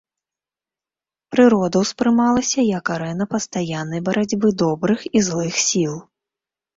Прырода ўспрымалася як арэна пастаяннай барацьбы добрых і злых сіл.